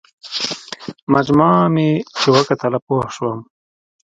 مجموعه مې چې وکتله پوه شوم.